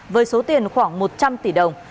với số tiền khoảng một trăm linh tỷ đồng